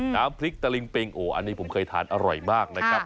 น้ำพริกตะลิงปิงโอ้อันนี้ผมเคยทานอร่อยมากนะครับ